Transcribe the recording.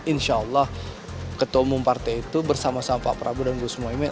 insyaallah ketua umum partai itu bersama sama pak prabowo dan gus muhaimin